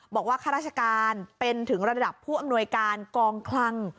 ข้าราชการเป็นถึงระดับผู้อำนวยการกองคลัง